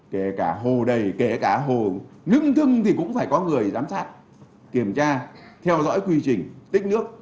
kể cả hồ đầy kể cả hồ ngưng thì cũng phải có người giám sát kiểm tra theo dõi quy trình tích nước